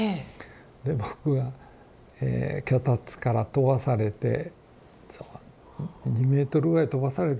で僕は脚立から飛ばされて２メートルぐらい飛ばされて。